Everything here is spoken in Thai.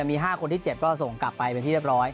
มี๕คนที่๗ก็ส่งกลับไปเป็นที่เรียบร้อย